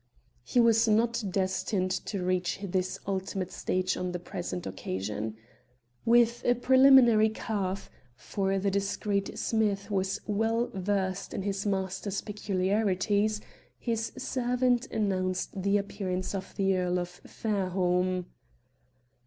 He was not destined to reach this ultimate stage on the present occasion. With a preliminary cough for the discreet Smith was well versed in his master's peculiarities his servant announced the appearance of the Earl of Fairholme.